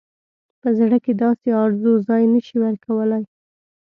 په زړه کې داسې آرزو ځای نه شي ورکولای.